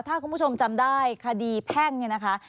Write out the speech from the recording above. ถ้าคุณผู้ชมจำได้คดีแพ่งเนี่ยนะคะ